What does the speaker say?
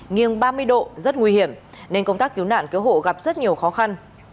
nghiêng ba mươi độ rất nguy hiểm nên công tác cứu nạn cứu hộ gặp rất nhiều khó khăn